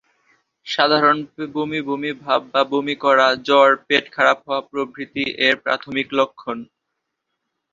সাধারণভাবে বমি বমি ভাব বা বমি করা, জ্বর, পেট খারাপ হওয়া প্রভৃতি এর প্রাথমিক লক্ষণ।